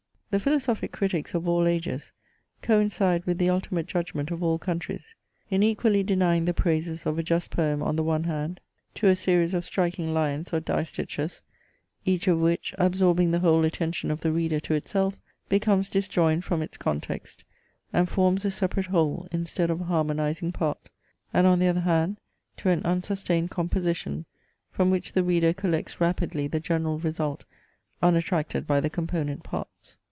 The philosophic critics of all ages coincide with the ultimate judgment of all countries, in equally denying the praises of a just poem, on the one hand, to a series of striking lines or distiches, each of which, absorbing the whole attention of the reader to itself, becomes disjoined from its context, and forms a separate whole, instead of a harmonizing part; and on the other hand, to an unsustained composition, from which the reader collects rapidly the general result unattracted by the component parts.